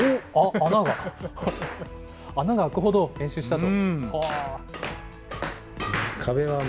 穴があくほど練習したと。